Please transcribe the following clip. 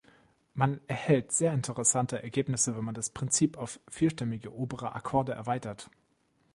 Man erhält sehr interessante Ergebnisse wenn man das Prinzip auf vierstimmige obere Akkorde erweitert.